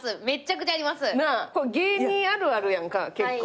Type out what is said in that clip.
芸人あるあるやんか結構。